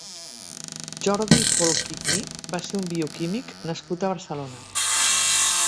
Jordi Folch i Pi va ser un bioquímic nascut a Barcelona.